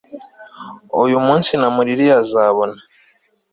Oya Umunsi namuririye azabona